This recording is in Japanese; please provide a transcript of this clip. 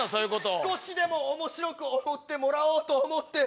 少しでもおもしろく思ってもらおうと思って。